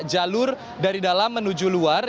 jalur dari dalam menuju luar